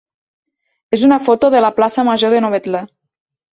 és una foto de la plaça major de Novetlè.